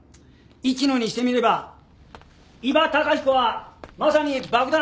市野にしてみれば伊庭崇彦はまさに爆弾そのものだよな。